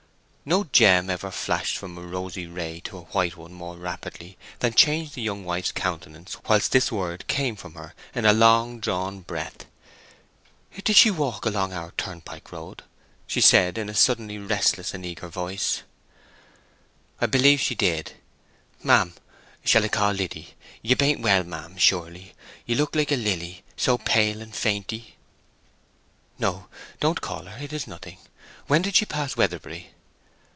No gem ever flashed from a rosy ray to a white one more rapidly than changed the young wife's countenance whilst this word came from her in a long drawn breath. "Did she walk along our turnpike road?" she said, in a suddenly restless and eager voice. "I believe she did.... Ma'am, shall I call Liddy? You bain't well, ma'am, surely? You look like a lily—so pale and fainty!" "No; don't call her; it is nothing. When did she pass Weatherbury?"